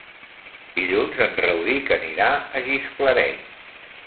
Dilluns en Rauric anirà a Gisclareny.